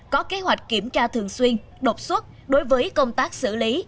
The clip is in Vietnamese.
có kế hoạch kiểm tra thường xuyên đột xuất đối với công tác xử lý